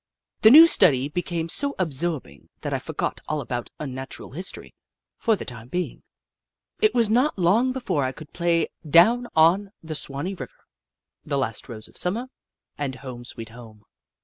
The new study became so absorbing that I forgot all about Unnatural History, for the time being. It was not long before I could play Down on the Suwance River, The Last Rose of Summer, and Home, Sweet Home.